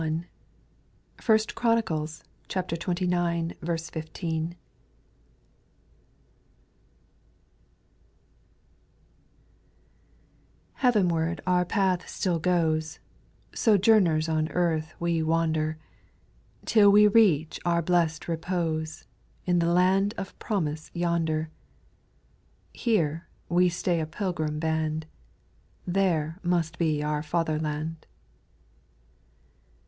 231. 1 Chronicles xxix. 15. 1. TJEAVENWARD our path still goes, Xx Sojourners on earth we wander. Till we reach our blest repose. In the land of promise yonder : Here we stay a pilgrim band. There must be our fatherland.